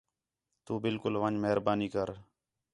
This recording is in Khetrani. تُو نِکل ون٘ڄ مہربانی کر